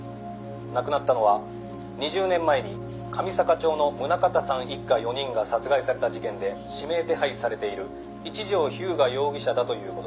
「亡くなったのは２０年前に神坂町の宗像さん一家４人が殺害された事件で指名手配されている一条彪牙容疑者だという事です」